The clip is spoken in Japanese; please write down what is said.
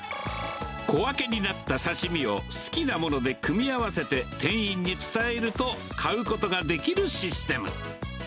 小分けになった刺身を好きなもので組み合わせて店員に伝えると、買うことができるシステム。